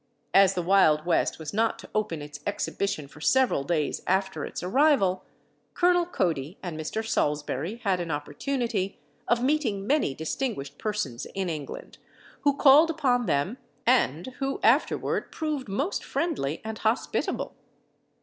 As the Wild West was not to open its exhibition for several days after its arrival, Colonel Cody and Mr. Salsbury had an opportunity of meeting many distinguished persons in England, who called upon them, and who afterward proved most friendly and hospitable.